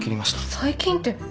最近って。